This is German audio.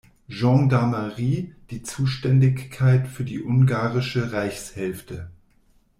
Gendarmerie die Zuständigkeit für die ungarische Reichshälfte.